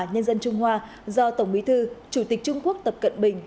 nhân dân trung hoa do tổng bí thư chủ tịch trung quốc tập cận bình